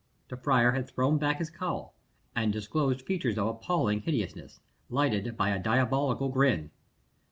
The friar had thrown hack his cowl, and disclosed features of appalling hideousness, lighted up by a diabolical grin.